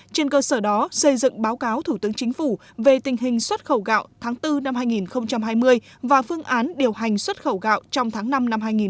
trên cơ sở đó xây dựng báo cáo thủ tướng chính phủ về tình hình xuất khẩu gạo tháng bốn năm hai nghìn hai mươi và phương án điều hành xuất khẩu gạo trong tháng năm năm hai nghìn hai mươi